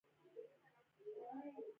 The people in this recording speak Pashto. ایکوسیسټم د ژویو او چاپیریال اړیکه ده